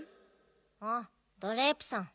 ああドレープさん。